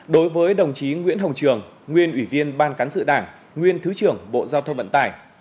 đối với đồng chí nguyễn hồng trường nguyên ủy viên ban cán sự đảng nguyên thứ trưởng bộ giao thông vận tải